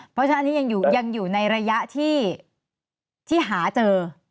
เพราะฉะนั้นอันนี้ยังอยู่ในระยะที่หาเจอ